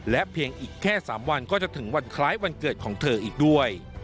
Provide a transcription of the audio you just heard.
เพียงอีกแค่๓วันก็จะถึงวันคล้ายวันเกิดของเธออีกด้วย